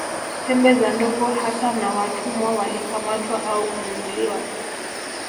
Pembe za ndovu hasa na Watumwa walikamatwa au kununuliwa